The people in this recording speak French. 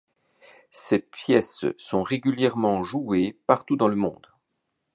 Ses pièces sont régulièrement jouées partout dans le monde.